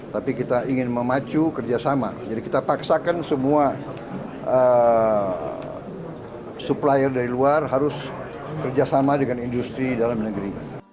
tapi kita ingin memacu kerjasama jadi kita paksakan semua supplier dari luar harus kerjasama dengan industri dalam negeri